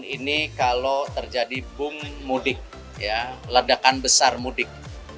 ini kalau terjadi boom mudik ledakan besar mudik